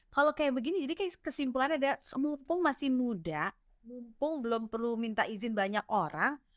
kalau kayak begini jadi kayak kesimpulannya ada mumpung masih muda mumpung belum perlu minta izin banyak orang